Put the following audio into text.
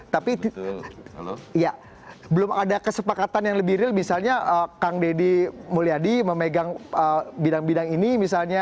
tapi belum ada kesepakatan yang lebih real misalnya kang deddy mulyadi memegang bidang bidang ini misalnya